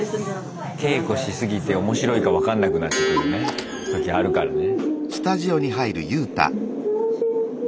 稽古しすぎて面白いか分かんなくなってくるね時あるからね。